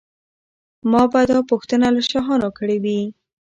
ما به دا پوښتنه له شاهانو کړې وي.